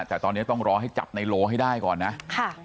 แต่ตอนนี้ต้องรอให้จับในโลให้ได้ก่อนนะค่ะ